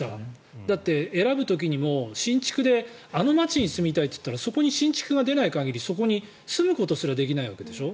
だって選ぶ時にも新築であの街に住みたいと言ったら新築で物件が出なければそこに住むことすらできないわけでしょ。